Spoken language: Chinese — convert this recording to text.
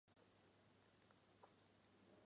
普朗佐莱人口变化图示